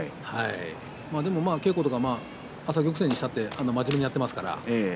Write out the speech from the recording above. でも稽古とか朝玉勢にしても真面目にやっています。